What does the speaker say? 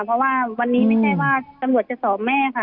เพราะว่าวันนี้ไม่ใช่ว่าตำรวจจะสอบแม่ค่ะ